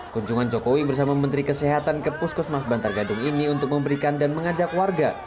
kunjungan jokowi bersama menteri kesehatan ke puskesmas bantar gadung ini untuk memberikan dan mengajak warga